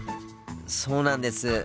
そうなんです。